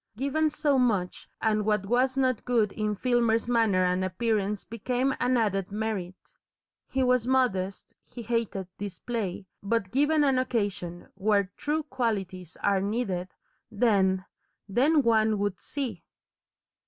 Given so much, and what was not good in Filmer's manner and appearance became an added merit. He was modest, he hated display, but given an occasion where TRUE qualities are needed, then then one would see!